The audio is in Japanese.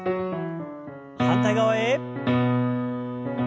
反対側へ。